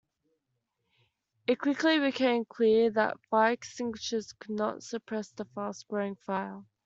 It quickly became clear that fire extinguishers could not suppress the fast-growing fire.